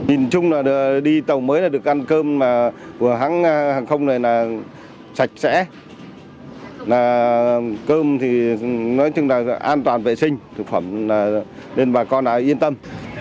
nhìn chung là đi tàu mới là được ăn cơm mà của hãng không này là sạch sẽ cơm thì nói chung là an toàn vệ sinh thực phẩm nên bà con đã yên tâm